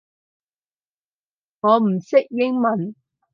我唔識英文